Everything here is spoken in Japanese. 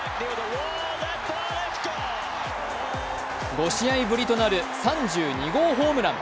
５試合ぶりとなる３２号ホームラン。